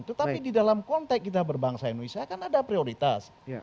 tetapi di dalam konteks kita berbangsa indonesia kan ada prioritas